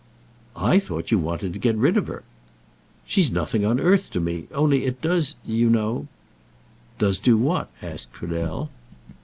"I thought you wanted to get rid of her." "She's nothing on earth to me; only it does, you know " "Does do what?" asked Cradell.